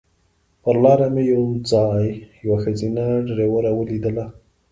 پر لاره مې یو ځای یوه ښځینه ډریوره ولیدله.